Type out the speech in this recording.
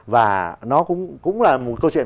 và nó cũng là một câu chuyện